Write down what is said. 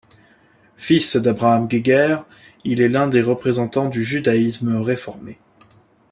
Fils d'Abraham Geiger, il est l'un des représentants du judaïsme réformé.